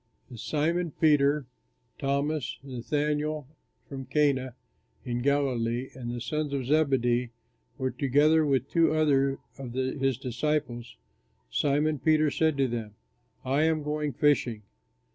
As Simon Peter, Thomas, Nathanael from Cana in Galilee, and the sons of Zebedee, were together with two other of his disciples, Simon Peter said to them, "I am going fishing."